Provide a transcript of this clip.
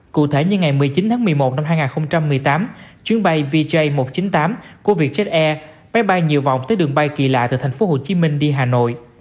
cụ thể như ngày một mươi chín tháng một mươi một năm hai nghìn một mươi tám chuyến bay vj một trăm chín mươi tám của vietjet air bay bay nhiều vọng tới đường bay kỳ lạ từ thành phố hồ chí minh đi hà nội